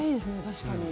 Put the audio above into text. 確かに。